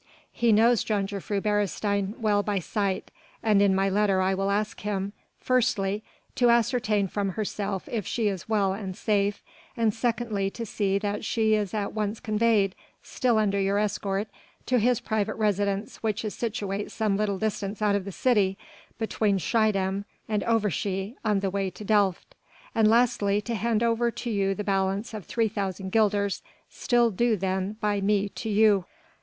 He knows Jongejuffrouw Beresteyn well by sight, and in my letter I will ask him, firstly, to ascertain from herself if she is well and safe, and secondly to see that she is at once conveyed, still under your escort, to his private residence which is situate some little distance out of the city between Schiedam and Overschie on the way to Delft, and lastly, to hand over to you the balance of 3,000 guilders still due then by me to you."